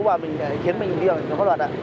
và khiến mình đi vào những cái pháp luận ạ